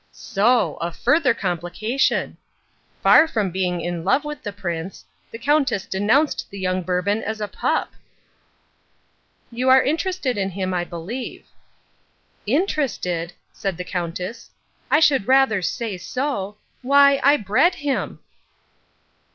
So! A further complication! Far from being in love with the Prince, the Countess denounced the young Bourbon as a pup! "You are interested in him, I believe." "Interested!" said the Countess. "I should rather say so. Why, I bred him!"